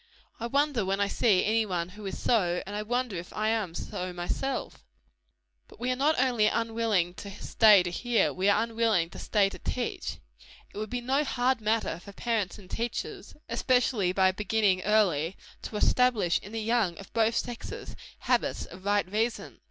I wonder when I see any one who is so; and I wonder if I am so myself." But we are not only unwilling to stay to hear we are unwilling to stay to teach. It would be no hard matter for parents and teachers especially by beginning early to establish in the young of both sexes, habits of right reasoning.